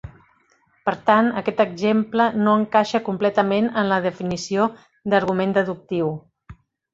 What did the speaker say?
Per tant, aquest exemple no encaixa completament en la definició d'argument deductiu.